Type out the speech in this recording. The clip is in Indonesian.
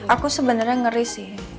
aku sebenarnya ngeri sih